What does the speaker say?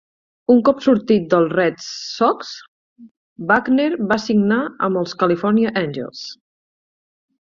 Un cop sortit dels Red Sox, Buckner va signar amb els California Angels.